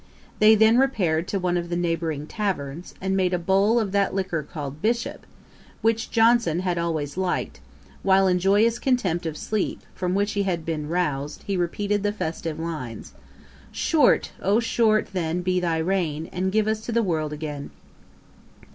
They then repaired to one of the neighbouring taverns, and made a bowl of that liquor called "Bishop", which Johnson had always liked; while in joyous contempt of sleep, from which he had been roused, he repeated the festive lines, 'Short, O short then be thy reign, And give us to the world again!'